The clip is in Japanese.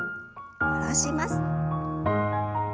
下ろします。